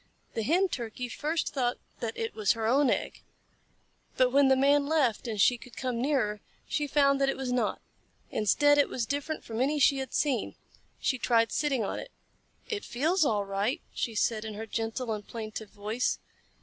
The Hen Turkey first thought that it was her own egg, but when the Man left and she could come nearer, she found that it was not. Instead, it was different from any she had ever seen. She tried sitting on it. "It feels all right," she said in her gentle and plaintive voice.